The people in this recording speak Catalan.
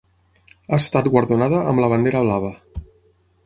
Ha estat guardonada amb la Bandera Blava.